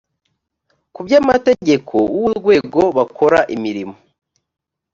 mu by amategeko w urwego bakora imirimo